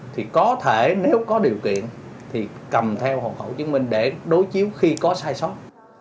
thì có thể nếu có điều kiện thì cầm theo hồn hậu chứng minh để đối chiếu khi có sai sót